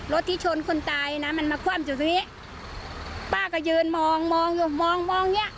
รถที่ชนคนตายนะมันมาคว่ำอยู่ตรงนี้ป้าก็ยืนมองมองอยู่มองมองเนี้ย